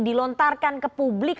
dilontarkan ke publik